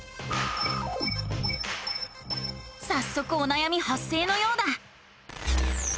さっそくおなやみはっ生のようだ！